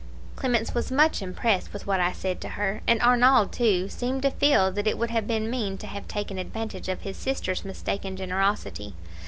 "Clemence was much impressed with what I said to her; and Arnauld, too, seemed to feel that it would have been mean to have taken advantage of his sister's mistaken generosity.